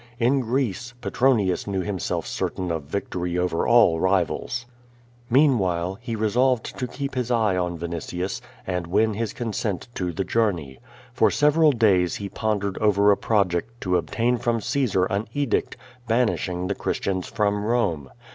In Greece, Petronius knew himself certain of victory over all rivals. ^reanwhile, he resolved to keep his eye on Vinitius, and win his consent to the journey. For several days he iwnder ed over a ])roject to obtain from Caesar an edict banishing the Christians from Eome.